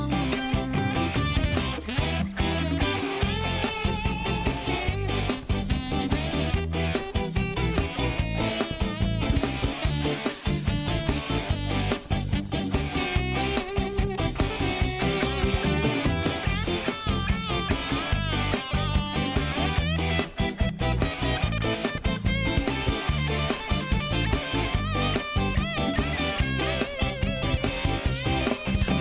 เคยมีทั้งคู่ที่นายใส่ใจถูกต้อง